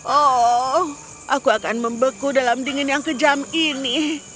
oh aku akan membeku dalam dingin yang kejam ini